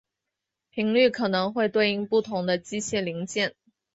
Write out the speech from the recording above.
频率可能会对应不同的机械零件。